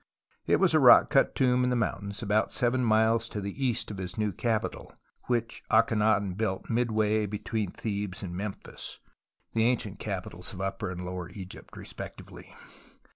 It was a rock cut tomb in the mountains about se^'en THE VALLEY OF THE TOMBS fj9 miles to the east of his new capital — which Akhenaton built midway (p. 22) between Thebes and Memphis, the ancient capitals of Upper and Lower Egypt respectively.